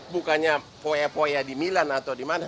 bukannya poya poya di milan atau di mana